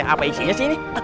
apa isinya sih ini